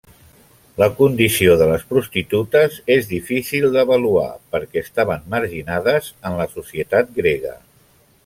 La condició de les prostitutes és difícil d'avaluar perquè estaven marginades en la societat grega.